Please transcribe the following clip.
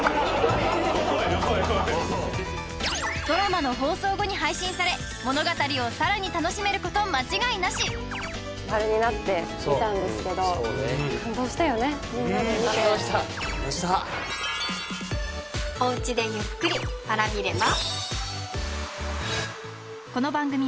ドラマの放送後に配信され物語をさらに楽しめること間違いなし丸になって見たんですけどうん感動したおうちでゆっくりＰａｒａｖｉれば？